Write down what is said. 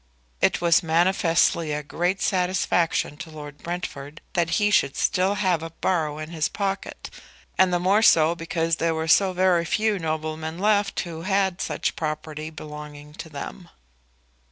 It was manifestly a great satisfaction to Lord Brentford that he should still have a borough in his pocket, and the more so because there were so very few noblemen left who had such property belonging to them.